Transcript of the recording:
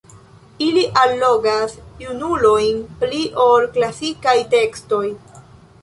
Ili allogas junulojn pli ol klasikaj tekstoj.